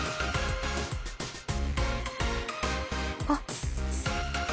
あっ。